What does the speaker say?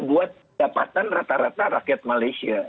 buat dapatan rata rata rakyat malaysia